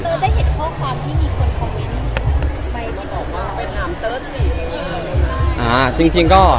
เจอจะเห็นข้อความที่มีคนคอมเมนต์